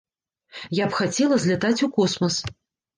Я б хацела злятаць у космас.